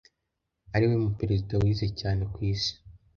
ariwe mu Perezida wize cyane ku isi